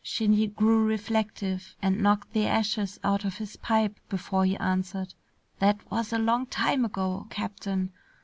Shinny grew reflective and knocked the ashes out of his pipe before he answered. "That was a long time ago, Captain.